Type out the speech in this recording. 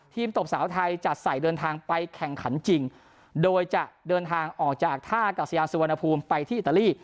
ตบสาวไทยจัดใส่เดินทางไปแข่งขันจริงโดยจะเดินทางออกจากท่ากัศยานสุวรรณภูมิไปที่อิตาลี